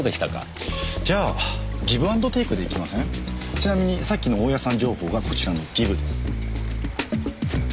ちなみにさっきの大家さん情報がこちらのギブです。